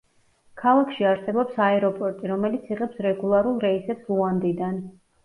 ქალაქში არსებობს აეროპორტი, რომელიც იღებს რეგულარულ რეისებს ლუანდიდან.